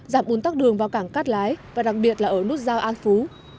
giảm bùn tắc đường vào cảng cát lái và đặc biệt là ở nút giao an phú